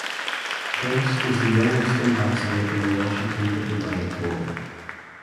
Prince was the youngest ambassador in the Washington diplomatic corps.